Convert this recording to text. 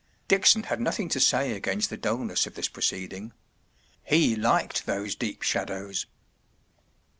Dickson had nothing to say against the dullness of this proceeding. He liked those deep shadows.